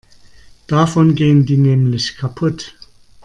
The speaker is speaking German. Davon gehen die nämlich kaputt.